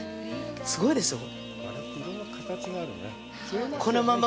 すごいですよ。